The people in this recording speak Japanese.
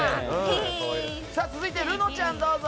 続いてるのちゃんどうぞ。